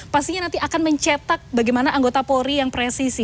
pastinya nanti akan mencetak bagaimana anggota polri yang presisi